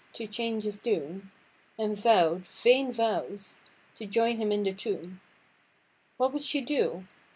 to change his doom, And vow'd (vain vows!) to join him in the tomb. What would she do?